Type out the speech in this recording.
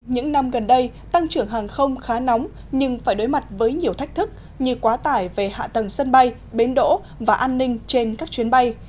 những năm gần đây tăng trưởng hàng không khá nóng nhưng phải đối mặt với nhiều thách thức như quá tải về hạ tầng sân bay bến đỗ và an ninh trên các chuyến bay